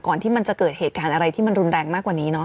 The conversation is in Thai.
ก่อนจะเกิดเหตุการณ์อะไรที่รุนแรงมากกว่านี้